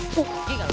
pergi gak lo